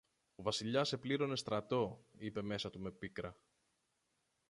Ο Βασιλιάς επλήρωνε στρατό είπε μέσα του με πίκρα